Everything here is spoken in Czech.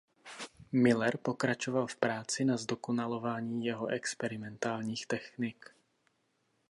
Miller pokračoval v práci na zdokonalování jeho experimentálních technik.